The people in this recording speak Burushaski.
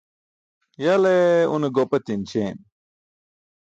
Ya le une gopatiṅ śeem.